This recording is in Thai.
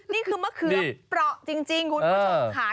นี่คือมะเขือเปราะจริงคุณผู้ชมค่ะ